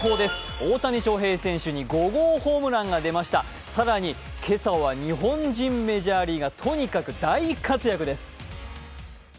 大谷翔平選手に５号ホームランが出ました、更に今朝は日本人メジャーリーガーとにかく、大活躍です。